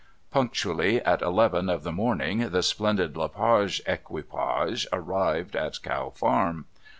Punctually at eleven of the morning the splendid Le Page equipage arrived at Cow Farm.